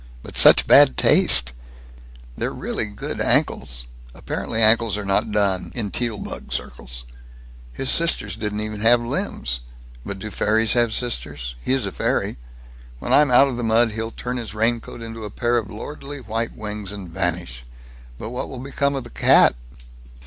But such bad taste! They're really quite good ankles. Apparently ankles are not done, in Teal bug circles. His sisters don't even have limbs. But do fairies have sisters? He is a fairy. When I'm out of the mud he'll turn his raincoat into a pair of lordly white wings, and vanish. But what will become of the cat?"